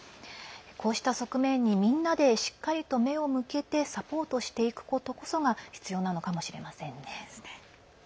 こうした側面にみんなで、しっかりと目を向けてサポートしていくことこそが必要なのかもしれません。